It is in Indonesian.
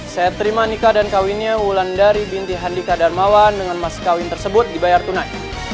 saya terima nikah dan kawinnya wulandari binti handika darmawan dengan mas kawin tersebut dibayar tunai